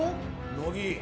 乃木